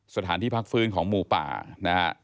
สถานที่พักฟื้นของหมู่ป่านะฮะ